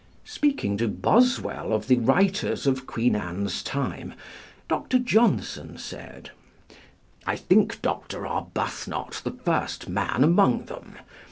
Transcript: Speaking to Boswell of the writers of Queen Anne's time, Dr. Johnson said, "I think Dr. Arbuthnot the first man among them.